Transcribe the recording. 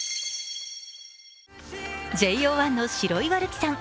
ＪＯ１の白岩瑠姫さん